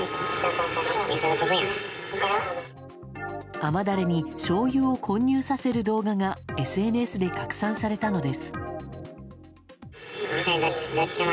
甘だれにしょうゆを混入させる動画がＳＮＳで拡散されたのです。